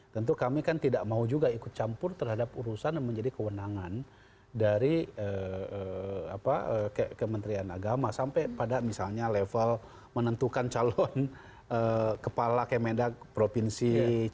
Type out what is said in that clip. tentu kami kan tidak mau juga ikut campur terhadap urusan yang menjadi kewenangan dari kementerian agama sampai pada misalnya level menentukan calon kepala kemendak provinsi